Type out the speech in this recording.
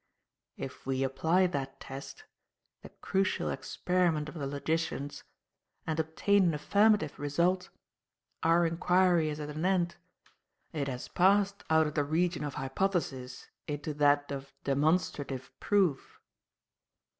If we apply that test the 'Crucial Experiment,' of the logicians and obtain an affirmative result, our inquiry is at an end. It has passed out of the region of hypothesis into that of demonstrative proof."